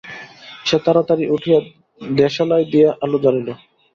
সে তাড়াতাড়ি উঠিয়া দেশালাই দিয়া আলো জ্বালিল।